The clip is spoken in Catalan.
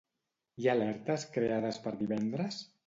Hi ha alertes creades per divendres?